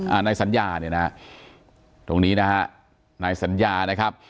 นายสัญญาเนี่ยนะฮะตรงนี้นะฮะนายสัญญานะครับ